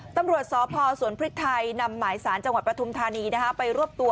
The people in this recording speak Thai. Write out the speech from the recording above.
ตำรวจสพสวนพริกไทยนำหมายสารจังหวัดปฐุมธานีไปรวบตัว